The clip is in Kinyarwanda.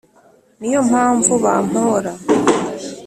ni yo mpamvu bampora